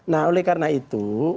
nah oleh karena itu